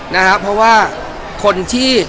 นะครับเพราะว่าคนที่